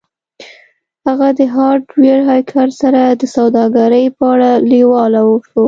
هغه د هارډویر هیکر سره د سوداګرۍ په اړه لیواله شو